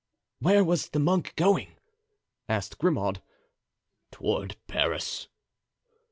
"Where was the monk going?" asked Grimaud. "Toward Paris."